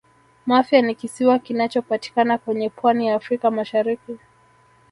mafia ni kisiwa kinachopatikana kwenye pwani ya africa mashariki